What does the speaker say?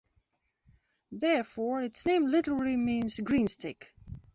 Therefore, its name literally means green stick.